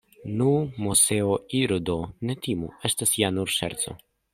Nu, Moseo, iru do, ne timu, estas ja nur ŝerco.